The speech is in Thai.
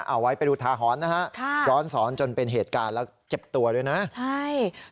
เอาไว้ไปดูทาหอนนะครับร้อนสอนจนเป็นเหตุการณ์แล้วเจ็บตัวด้วยนะครับ